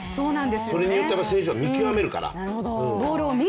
それによって選手は見極めるから。